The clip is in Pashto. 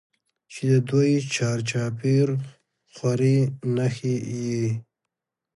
چې د دوى چار چاپېر خورې نښي ئې